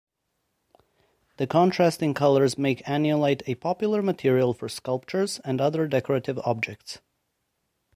The contrasting colours make anyolite a popular material for sculptures and other decorative objects.